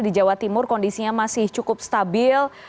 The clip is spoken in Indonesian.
di jawa timur kondisinya masih cukup stabil